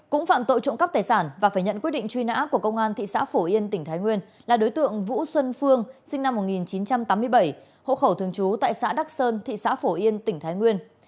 cũng phạm tội trộm cắp tài sản và phải nhận quyết định truy nã của công an thị xã phổ yên tỉnh thái nguyên là đối tượng vũ xuân phương sinh năm một nghìn chín trăm tám mươi bảy hộ khẩu thường trú tại xã đắc sơn thị xã phổ yên tỉnh thái nguyên